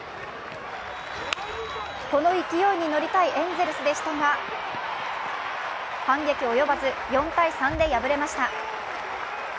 この勢いに乗りたいエンゼルスでしたが反撃及ばず、４−３で敗れました。